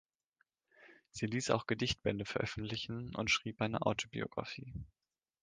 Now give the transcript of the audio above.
Sie ließ auch Gedichtbände veröffentlichten und schrieb eine Autobiografie.